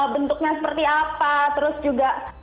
bentuknya seperti apa terus juga